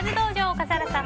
笠原さん